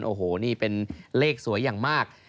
โอ้โหนี่เป็นเลขสวยอย่างมาก